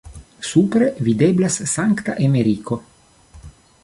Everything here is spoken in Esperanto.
Supre videblas Sankta Emeriko.